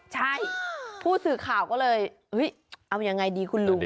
ใช่ผู้สื่อข่าวก็เลยเอายังไงดีคุณลุง